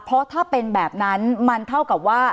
เพราะถ้าเป็นแบบนั้นมันเท่ากับว่า